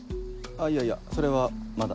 いやいやそれはまだ。